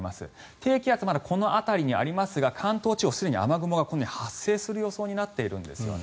低気圧まだこの辺りにありますが関東地方、すでに雨雲が発生する予想になっているんですよね。